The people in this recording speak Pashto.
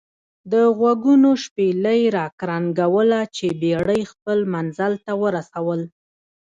دغوږونو شپېلۍ را کرنګوله چې بېړۍ خپل منزل ته ورسول.